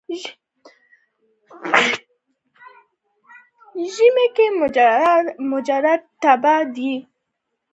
ژمي کې مجرد تبا دی.